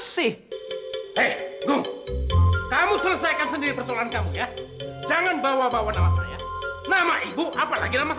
sebelum dibuktiin bahwa gue gak hamilin ayah